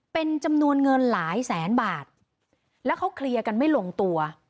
เป็นจำนวนเงินหลายแสนบาทแล้วเขาเคลียร์กันไม่ลงตัว